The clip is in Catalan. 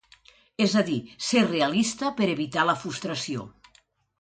És a dir, ser realista per evitar la frustració.